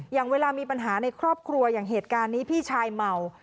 อย่างเวลามีปัญหาในครอบครัวอย่างเหตุการณ์นี้พี่ชายเมา